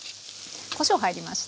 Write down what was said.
こしょう入りました。